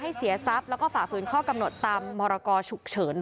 นี้เข้าทางวันเข้ามคืนแล้วลิฟร์ยาเซียบติด